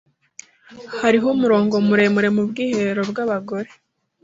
Hariho umurongo muremure mu bwiherero bwabagore.